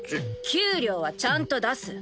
給料はちゃんと出す。